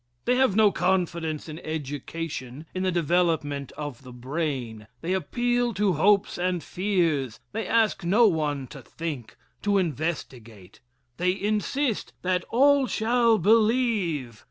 They have no confidence in education in the development of the brain. They appeal to hopes and fears. They ask no one to think to investigate. They insist that all shall believe.